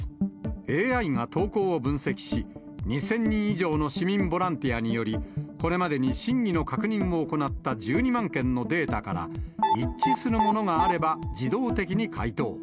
ＡＩが投稿を分析し、２０００人以上の市民ボランティアにより、これまでに真偽の確認を行った１２万件のデータから、一致するものがあれば、自動的に回答。